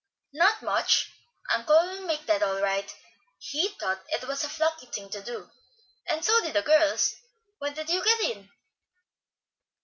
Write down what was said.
"Not much. Uncle will make that all right. He thought it was a plucky thing to do, and so did the girls. When did you get in?"